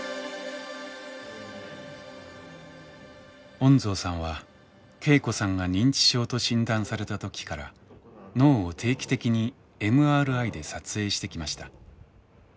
恩蔵さんは恵子さんが認知症と診断された時から脳を定期的にＭＲＩで撮影してきました。